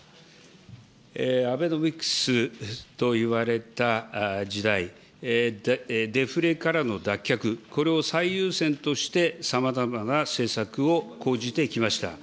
アベノミクスといわれた時代、デフレからの脱却、これを最優先としてさまざまな政策を講じてきました。